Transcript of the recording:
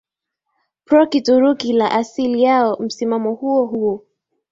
pro Kituruki la asili yao Msimamo huo huo